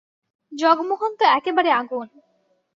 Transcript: জগমোহন তো একেবারে আগুন।